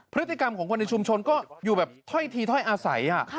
พฤติกรรมของคนในชุมชนก็อยู่แบบถ้อยทีถ้อยอาศัย